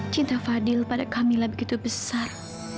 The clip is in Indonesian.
cinta fadil pada kamilah begitu besar